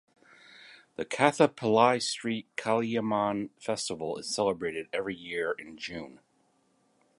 The Kathapillai street Kaliamman festival is celebrated every year in June.